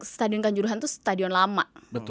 stadion kanjuruhan itu stadion lama